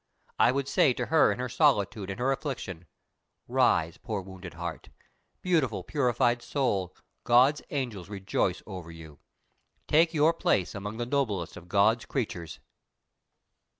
I would say to her in her solitude and her affliction, 'Rise, poor wounded heart! Beautiful, purified soul, God's angels rejoice over you! Take your place among the noblest of God's creatures!